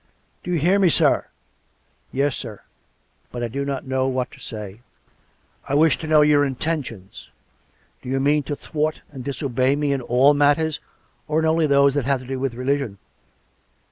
" Do you hear me, sir? "" Yes, sir. But I do not know what to say." " I wish to know your intentions. Do you mean to thwart and disobey me in all matters, or in only those that have to do with religion.''